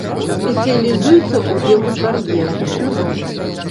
Спецыялізуецца ў бегу з бар'ерамі.